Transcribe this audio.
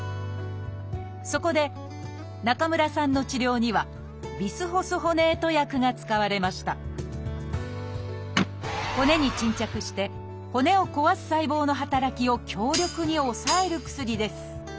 そこで中村さんの治療にはビスホスホネート薬が使われました骨に沈着して骨を壊す細胞の働きを強力に抑える薬です。